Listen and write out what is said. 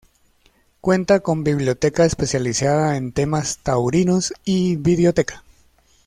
Cuenta con biblioteca especializada en temas taurinos y videoteca.